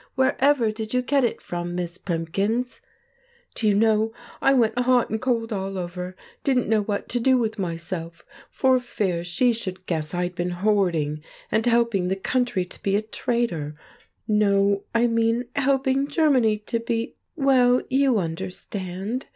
Wherever did you get it from, Miss Primkins?' "Do you know, I went hot and cold all over; didn't know what to do with myself, for fear she should guess I'd been hoarding and helping the country to be a traitor—no, I mean helping Germany to be—well—you understand.